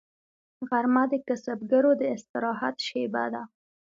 غرمه د کسبګرو د استراحت شیبه ده